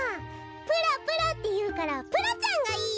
「プラプラ」っていうからプラちゃんがいいや！